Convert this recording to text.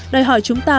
đòi hỏi chúng ta